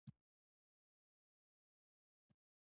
هغه ساتونکی چې یو وخت یې واک درلود، اوس بې وسه و.